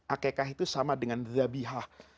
akekah itu sama dengan zabiah